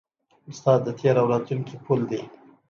استاد د تېر او راتلونکي پل دی.